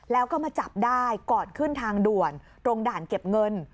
แล้วก็มาจับได้ก่อนขึ้นทางด่วนตรงด่านเก็บเงิน